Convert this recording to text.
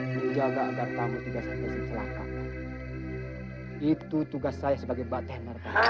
menjaga agar kamu tidak sampai di celaka itu tugas saya sebagai baten